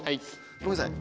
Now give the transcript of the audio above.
ごめんなさい。